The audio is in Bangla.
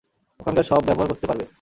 ওখানকার সব ব্যবহার করতে পারবে।